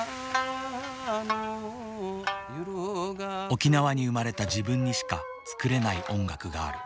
沖縄に生まれた自分にしか作れない音楽がある。